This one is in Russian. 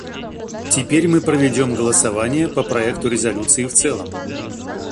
Теперь мы проведем голосование по проекту резолюции в целом.